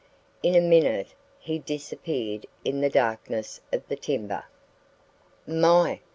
In a minute he disappeared in the darkness of the timber. "My!